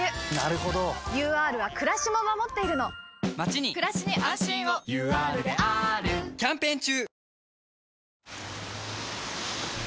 ＵＲはくらしも守っているのまちにくらしに安心をＵＲであーるキャンペーン中！